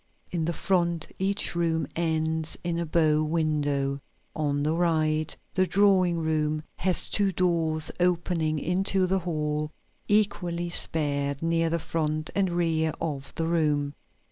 In the front each room ends in a bow window. On the right the drawing room has two doors opening into the hall, equally spaced near the front and rear of the room.